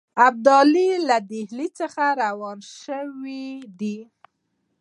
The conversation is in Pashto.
ابدالي له ډهلي څخه روان شوی دی.